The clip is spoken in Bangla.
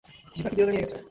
জিহ্বা কি বিড়ালে নিয়ে গেছে?